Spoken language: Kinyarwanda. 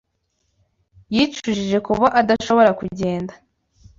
Yicujije kuba adashobora kugenda.